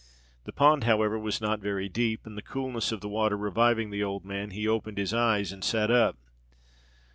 The pond, however, was not very deep, and the coolness of the water reviving the old man, he opened his eyes and sat up.